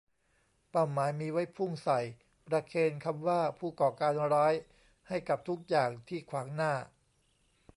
เป้าหมายมีไว้พุ่งใส่ ประเคนคำว่าผู้ก่อการร้ายให้กับทุกอย่างที่ขวางหน้า